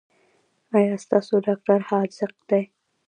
ایا ستاسو ډاکټر حاذق دی؟